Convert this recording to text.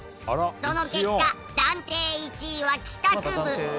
その結果暫定１位は帰宅部。